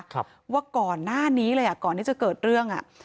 ว่าก่อนหน้านี้เลยอ่ะก่อนที่จะเกิดเรื่องอ่ะ